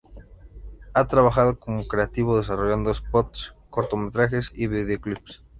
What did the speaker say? Ha trabajado como creativo, desarrollando spots, cortometrajes y videoclips.